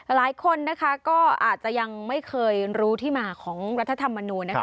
หลายคนนะคะก็อาจจะยังไม่เคยรู้ที่มาของรัฐธรรมนูญนะคะ